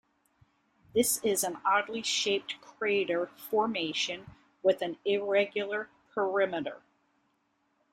This is an oddly shaped crater formation with an irregular perimeter.